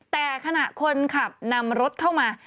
แต่ขณะคนขับนำรถเข้ามา